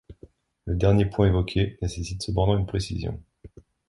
Le dernier point évoqué nécessite cependant une précision.